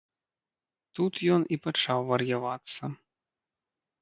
Тут ён і пачаў вар'явацца.